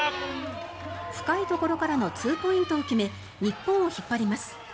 深いところからのツーポイントを決め日本を引っ張ります。